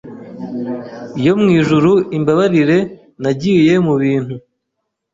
yo mu ijuru imbabarire nagiye mu bintu